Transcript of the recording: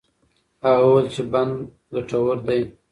هغه وویل چې بند ګټور دی.